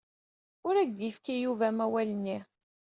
Ur ak-d-yefki Yuba amawal-nni?